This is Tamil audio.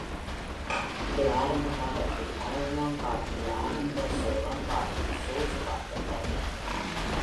இது ஆரம்பகாலத்தில் அழகு முகம் காட்டி, ஆனந்த சும் காட்டி, சொகுசு காட்டும் தன்மையது.